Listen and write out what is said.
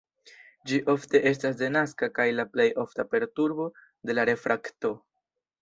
Ĝi ofte estas denaska kaj la plej ofta perturbo de la refrakto.